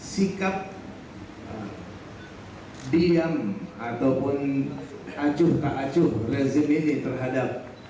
sikap diam ataupun acuh tak acuh rezim ini terhadap